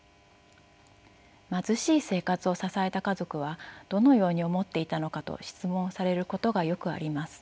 貧しい生活を支えた家族はどのように思っていたのかと質問されることがよくあります。